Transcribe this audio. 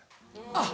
あっ。